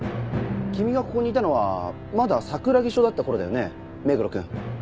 君がここにいたのはまだ桜木署だった頃だよね目黒くん。